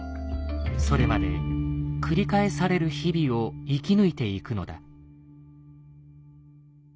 それまで繰り返される日々を生き抜いていくのだ。